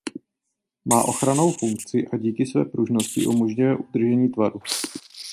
Má ochrannou funkci a díky své pružnosti umožňuje udržení tvaru.